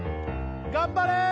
頑張れー！